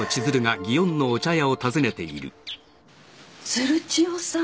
鶴千代さん？